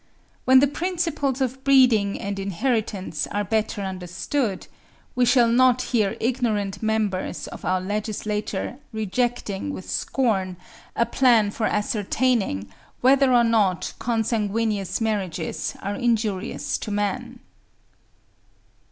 When the principles of breeding and inheritance are better understood, we shall not hear ignorant members of our legislature rejecting with scorn a plan for ascertaining whether or not consanguineous marriages are injurious to man.